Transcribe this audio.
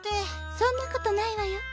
「そんなことないわよ。